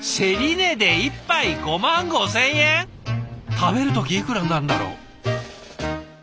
食べる時いくらになるんだろう。